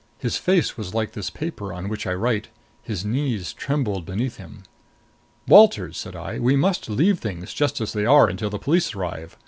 His face was like this paper on which I write; his knees trembled beneath him. "Walters," said I, "we must leave things just as they are until the police arrive.